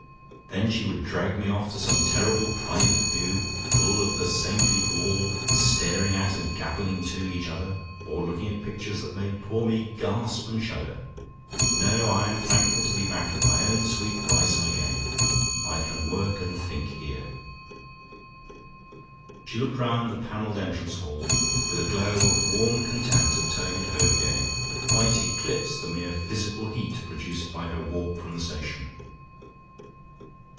Then she would drag me off to some terrible private view full of the same people all staring at and gabbling to each other, or looking at pictures that made poor me gasp and shudder. No, I am thankful to be back at my own sweet Riseholme again. I can work and think here." She looked round the panelled entrance hall with a glow of warm content at being at home again that quite eclipsed the mere physical heat produced by her walk from the station.